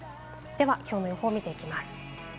きょうの予報を見ていきます。